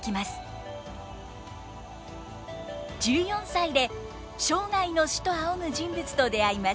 １４歳で生涯の師と仰ぐ人物と出会います。